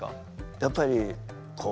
やっぱりこう。